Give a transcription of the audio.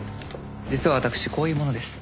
実は私こういう者です。